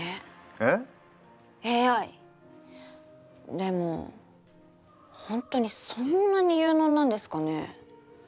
でもほんとにそんなに有能なんですかね？